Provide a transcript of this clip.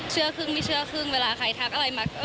เชื่อครึ่งไม่เชื่อครึ่งเวลาใครทักอะไรมา